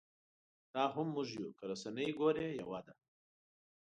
دا هم موږ یو که رسنۍ ګورې یوه ده.